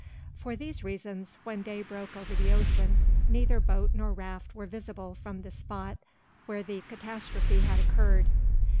For these reasons, when day broke over the ocean, neither boat nor raft were visible from the spot where the catastrophe had occurred.